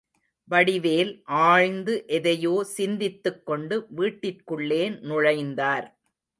வடிவேல் ஆழ்ந்து எதையோ சிந்தித்துக்கொண்டு வீட்டிற்குள்ளே நுழைந்தார்.